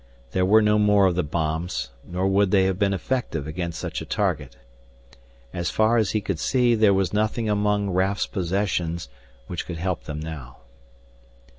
There were no more of the bombs, nor would they have been effective against such a target. As far as he could see, there was nothing among Raf's possessions which could help them now.